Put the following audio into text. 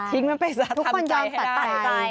ทิ้งมันไปซะทำใจให้ได้ค่ะทุกคนยอมตัดใจ